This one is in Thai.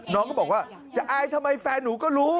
น้องก็บอกว่าจะอายทำไมแฟนหนูก็รู้